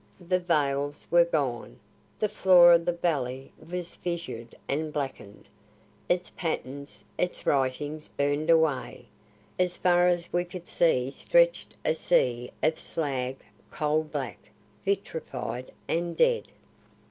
The veils were gone. The floor of the valley was fissured and blackened; its patterns, its writings burned away. As far as we could see stretched a sea of slag coal black, vitrified and dead.